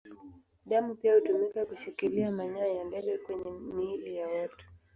Damu pia hutumika kushikilia manyoya ya ndege kwenye miili ya watu.